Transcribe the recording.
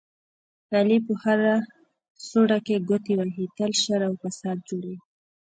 علي په هره سوړه کې ګوتې وهي، تل شر او فساد جوړوي.